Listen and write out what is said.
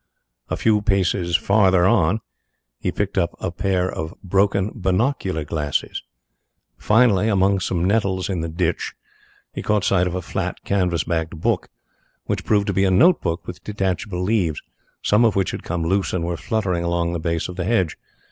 A few paces farther on he picked up a pair of broken binocular glasses. Finally, among some nettles in the ditch, he caught sight of a flat, canvas backed book, which proved to be a note book with detachable leaves, some of which had come loose and were fluttering along the base of the hedge.